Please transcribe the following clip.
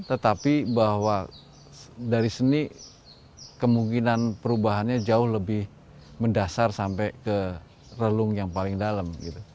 tetapi bahwa dari seni kemungkinan perubahannya jauh lebih mendasar sampai ke relung yang paling dalam